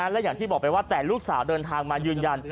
และอย่างที่บอกไปว่าแต่ลูกสาวเดินทางมายืนยัน